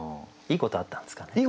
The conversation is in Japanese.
いいことあったんです。